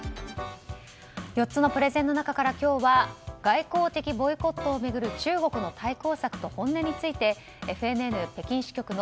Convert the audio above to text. ４つのプレゼンの中から今日は外交的ボイコットを巡る中国の対応と本音についてＦＮＮ北京支局の